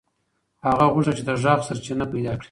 هغه غوښتل چې د غږ سرچینه پیدا کړي.